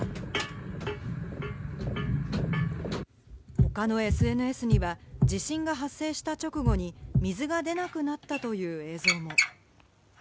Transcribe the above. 他のＳＮＳには、地震が発生した直後に水が出なくなったという映像も。